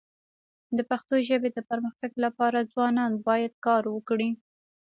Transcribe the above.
د پښتو ژبي د پرمختګ لپاره ځوانان باید کار وکړي.